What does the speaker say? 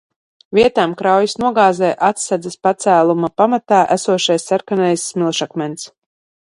Vietām kraujas nogāzē atsedzas pacēluma pamatā esošais sarkanais smilšakmens.